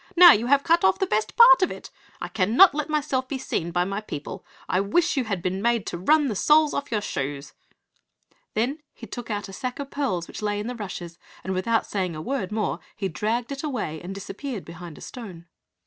Now you have cut off the best part of it. I cannot let myself be seen by my people. I wish you had been made to run the soles off your shoes!" Then he took out a sack of pearls which lay in the rushes, and without saying a word more he dragged it away and disappeared behind a stone.